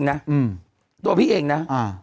ถ้าตัวพี่เองนะ